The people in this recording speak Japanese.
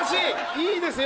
いいですよ！